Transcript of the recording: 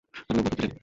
আমি ওর মতো হতে চাই।